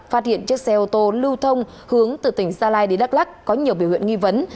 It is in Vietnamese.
phát hiện chiếc xe ô tô lưu thông hướng từ tỉnh gia lai đi đắk lắc có nhiều biểu hiện nghi vấn